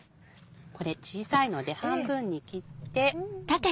これ小さいので半分に切って。